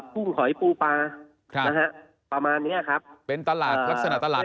ุ้งหอยปูปลานะฮะประมาณเนี้ยครับเป็นตลาดลักษณะตลาด